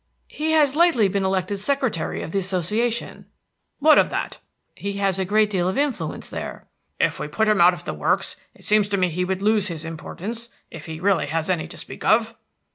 "He has lately been elected secretary of the Association." "What of that?" "He has a great deal of influence there." "If we put him out of the works it seems to me he would lose his importance, if he really has any to speak of."